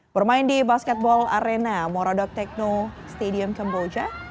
bermain di basketball arena moradok tekno stadium kamboja